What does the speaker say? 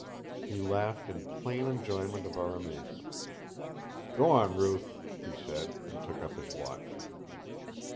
He laughed in plain enjoyment of our amazement. "Go on, Ruth," he said, and took up his watch.